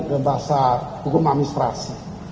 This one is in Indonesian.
dalam bahasa hukum administrasi